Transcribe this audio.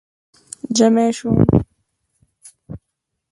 ژمی شو